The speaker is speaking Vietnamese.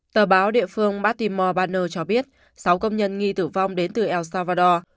tờ báo địa phương martimo banner cho biết sáu công nhân nghi tử vong đến từ el salvador